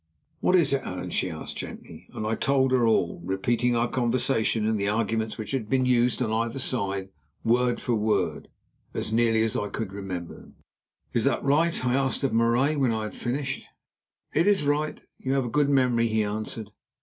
"What is it, Allan?" she asked gently. I told her all, repeating our conversation and the arguments which had been used on either side word for word, as nearly as I could remember them. "Is that right?" I asked of Marais when I had finished. "It is right; you have a good memory," he answered.